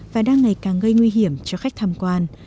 và đang ngày càng gây nguy hiểm cho khách tham quan